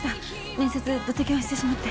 面接どたキャンしてしまって。